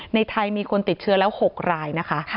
ในไทยมีคนติดเชื้อแล้ว๖รายนะคะ